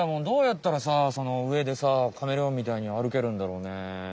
どうやったらさその上でさカメレオンみたいにあるけるんだろうね。